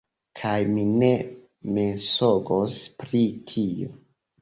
Kaj mi ne mensogos pri tio!